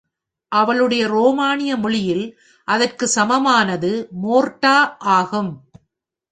அவளுடைய ரோமானிய மொழியில் அதற்கு சமமானது மோர்ட்டா ஆகும்.